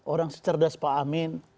orang secerdas pak amin